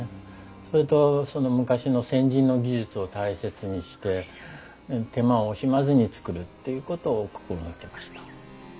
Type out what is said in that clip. それとその昔の先人の技術を大切にして手間を惜しまずに作るっていうことを心掛けました。